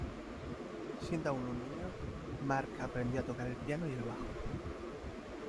Siendo aún un niño, Mark aprendió a tocar el piano y el bajo.